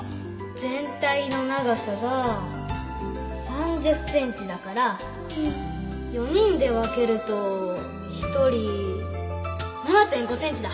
全体の長さが３０センチだから４人で分けると一人７．５センチだ。